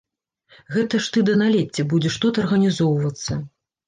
Гэта ж ты да налецця будзеш тут арганізоўвацца.